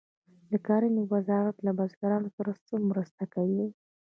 د کرنې وزارت له بزګرانو سره څه مرسته کوي؟